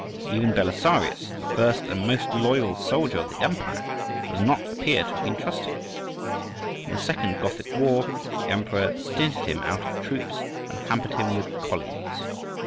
Even Belisarius, the first and most loyal soldier of the empire, does not appear to have been trusted: in the second Gothic war the Emperor stinted him of troops and hampered him with colleagues.